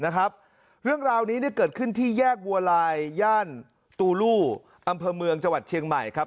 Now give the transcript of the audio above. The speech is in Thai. เรื่องราวนี้เนี่ยเกิดขึ้นที่แยกบัวลายย่านตูลู่อำเภอเมืองจังหวัดเชียงใหม่ครับ